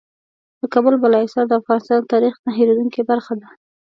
د کابل بالا حصار د افغانستان د تاریخ نه هېرېدونکې برخه ده.